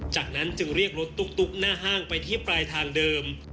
จากนั้นจึงเรียกรถตุ๊กหน้าห้างไปที่ปลายทางเดิม